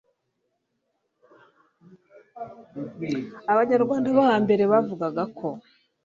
abanyarwanda bo hambere bavugaga ko